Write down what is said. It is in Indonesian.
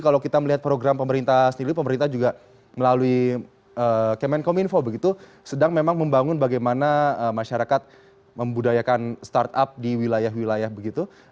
kalau kita melihat program pemerintah sendiri pemerintah juga melalui kemenkominfo begitu sedang memang membangun bagaimana masyarakat membudayakan startup di wilayah wilayah begitu